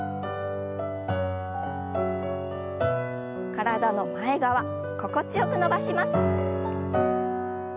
体の前側心地よく伸ばします。